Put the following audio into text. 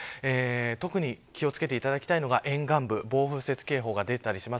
特に気を付けていただきたいのが沿岸部、暴風雪警報が出ています。